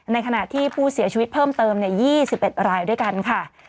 ในขณะที่ผู้เสียชีวิตเพิ่มเติม๒๑รายด้วยกันค่ะ